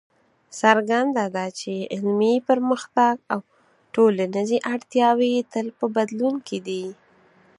څرګنده ده چې علمي پرمختګ او ټولنیزې اړتیاوې تل په بدلون کې دي.